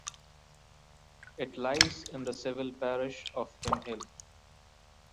It lies in the civil parish of Pimhill.